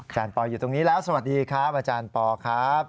อาจารย์ปอล์อยู่ตรงนี้แล้วสวัสดีครับอาจารย์ปอล์ครับ